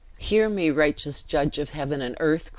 "Hear me, righteous Judge of heaven and earth!"